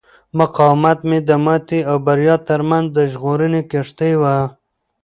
مقاومت مې د ماتې او بریا ترمنځ د ژغورنې کښتۍ وه.